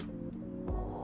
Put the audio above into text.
ああ。